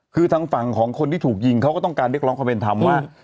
คือทางฝั่งของคนที่ถูกยิงเขาก็ต้องการเรียกร้องความเป็นธรรมว่า